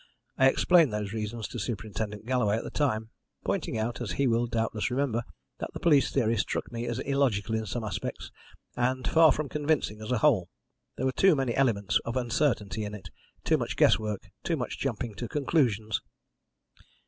I explained those reasons to Superintendent Galloway at the time, pointing out, as he will doubtless remember, that the police theory struck me as illogical in some aspects, and far from convincing as a whole. There were too many elements of uncertainty in it, too much guess work, too much jumping at conclusions.